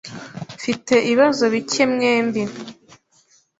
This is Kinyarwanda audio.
Mfite ibibazo bike mwembi.